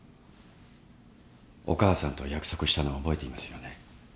お母さんと約束したのを覚えていますよね。